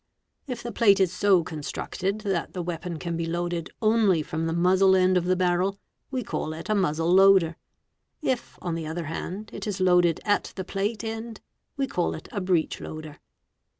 If the plate is so constructed that the weapon can be loaded only from the muzzle end of the barrel, we call it a muzzle loader ; if on the other hand it is loaded at the plate end we call it a breech loader.